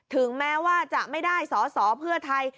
ถึงแม้ว่าจะไม่ได้สอสอเพื่อไทย